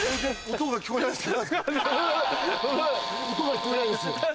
音が聞こえないです。